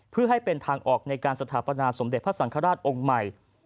เพื่อให้เป็นทางออกในการสถาปนาสมเด็จพระสังฆราชองค์ใหม่